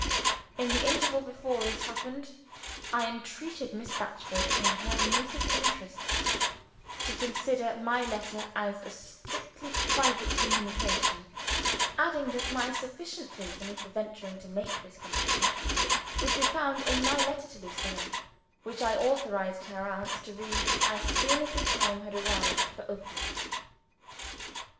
In the interval before this happened, I entreated Miss Batchford, in her niece's interests, to consider my letter as a strictly private communication; adding, that my sufficient reason for venturing to make this condition would be found in my letter to Lucilla which I authorized her aunt to read as soon as the time had arrived for opening it.